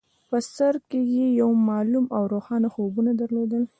په سر کې يې معلوم او روښانه خوبونه درلودل.